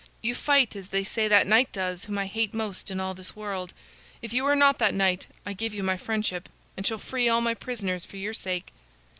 You fight as they say that knight does whom I hate most in all this world. If you are not that knight, I give you my friendship, and shall free all my prisoners for your sake."